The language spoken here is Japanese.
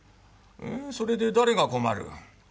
それで誰が困る？